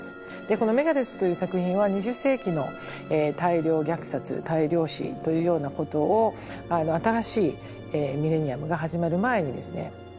この「ＭＥＧＡＤＥＡＴＨ」という作品は２０世紀の大量虐殺大量死というようなことを新しいミレニアムが始まる前にですね